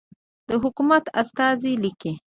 د حکومت استازی لیکي.